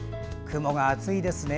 雲が熱いですね。